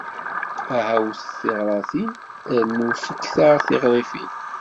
Aha wtet tiɣratin, rnu fektaɣ tiɣrifin"